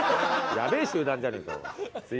やべえ集団じゃねえかおい。